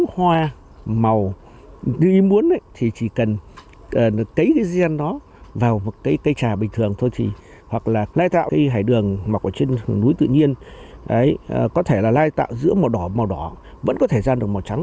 hải đường mặc ở trên núi tự nhiên có thể là lai tạo giữa màu đỏ và màu đỏ vẫn có thể ra được màu trắng